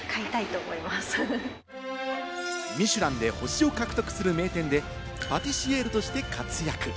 ミシュランで星を獲得する名店で、パティシエールとして活躍。